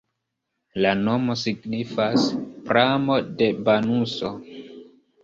La nomo signifas: pramo-de-banuso.